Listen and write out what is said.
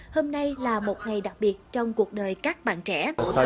hôm nay là một ngày đặc biệt trong cuộc đời các bạn trẻ